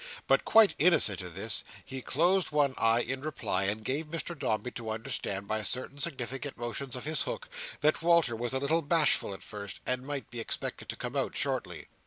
But quite innocent of this, he closed one eye in reply, and gave Mr Dombey to understand, by certain significant motions of his hook, that Walter was a little bashful at first, and might be expected to come out shortly.